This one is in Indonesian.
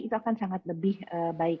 itu akan sangat lebih baik